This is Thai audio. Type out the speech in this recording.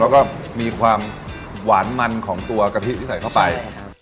แล้วก็มีความหวานมันของตัวกะทิที่ใส่เข้าไป